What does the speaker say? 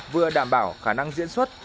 vừa đảm bảo khả năng diễn xuất